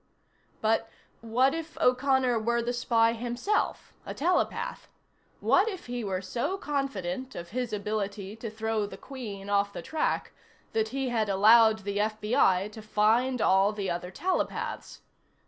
But what if O'Connor were the spy himself a telepath? What if he were so confident of his ability to throw the Queen off the track that he had allowed the FBI to find all the other telepaths?